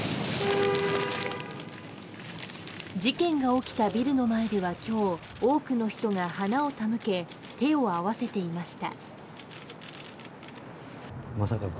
事件が起きたビルの前では今日、多くの人が花を手向け手を合わせていました。